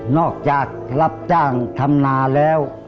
นอกจากรับจ้างธรรมนาแล้ว